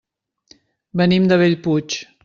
Venim de Bellpuig.